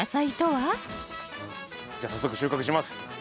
じゃ早速収穫します。